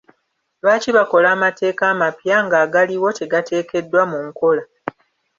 Lwaki bakola amateeka amapya, ng'agaliwo tegateekeddwa mu nkola?